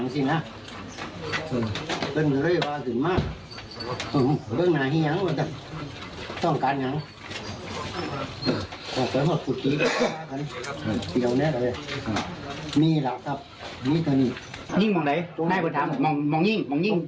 จ้องการงาน